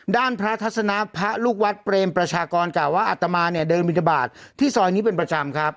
ด้านพระทัศนะพระลูกวัดเปรมประชากรกล่าวว่าอัตมาเนี่ยเดินบินทบาทที่ซอยนี้เป็นประจำครับ